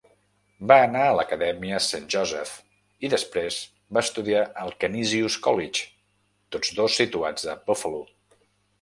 Va anar a l'acadèmia Saint Joseph, i després va estudiar al Canisius College, tots dos situats a Buffalo.